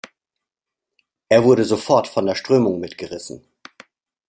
Es wurde sofort von der Strömung mitgerissen.